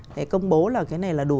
để công bố là cái này là đủ